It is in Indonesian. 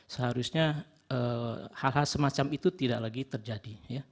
seharusnya hal hal semacam itu tidak lagi terjadi